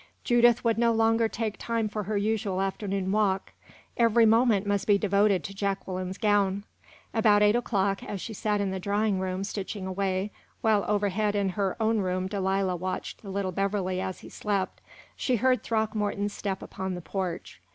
Judith would no longer take time for her usual afternoon walk; every moment must be devoted to Jacqueline's gown. About eight o'clock, as she sat in the drawing room, stitching away, while overhead in her own room Delilah watched the little Beverley as he slept, she heard Throckmorton's step upon the porch.